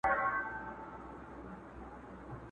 څراغ چي په کور کي لگېږي، بېبان ته حاجت نسته.